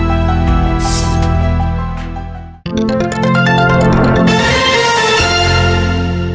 เยอะมากเยอะมากเยอะมาก